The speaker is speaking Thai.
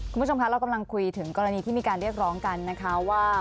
คุณผู้ชมคะเรากำลังคุยถึงกรณีที่มีการเรียกร้องกันนะคะว่า